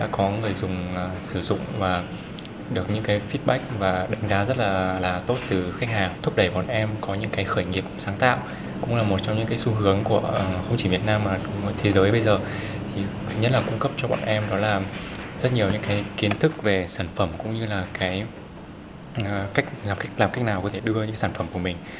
không chỉ việt nam mà cũng thế giới bây giờ nhất là cung cấp cho bọn em rất nhiều những kiến thức về sản phẩm cũng như là làm cách nào có thể đưa những sản phẩm của mình